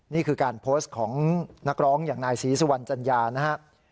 นี่คือการโพสต์ของนักร้องอย่างนายศรีสุวรรณจัญญานะครับ